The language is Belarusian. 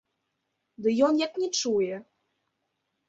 Дык ён як не чуе!